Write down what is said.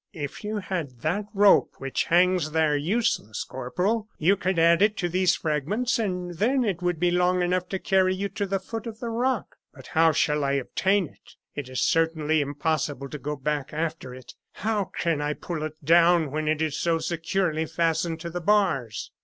"If you had that rope which hangs there useless, Corporal, you could add it to these fragments, and then it would be long enough to carry you to the foot of the rock. But how shall I obtain it? It is certainly impossible to go back after it! and how can I pull it down when it is so securely fastened to the bars?"